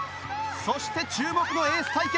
そして注目のエース対決。